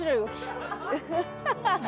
ハハハハ！